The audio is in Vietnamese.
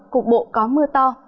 cục bộ có mưa to